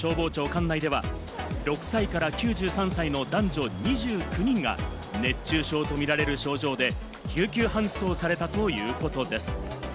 管内では６歳から９３歳の男女２９人が熱中症とみられる症状で救急搬送されたということです。